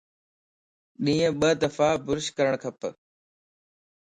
ڏينھن ٻه دفع بروش ڪرڻ کپ